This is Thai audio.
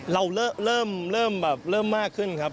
เราเริ่มแบบเริ่มมากขึ้นครับ